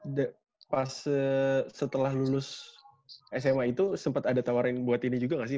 nah pas setelah lulus sma itu sempet ada tawarin buat ini juga gak sih